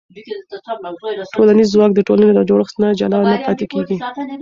ټولنیز ځواک د ټولنې له جوړښت نه جلا نه پاتې کېږي.